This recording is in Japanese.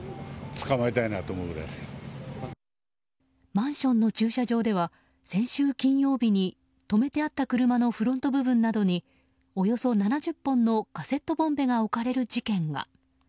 マンションの駐車場では先週金曜日に止めてあった車のフロント部分などにおよそ７０本のカセットボンベが置かれる事件が。